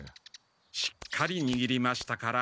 しっかりにぎりましたから。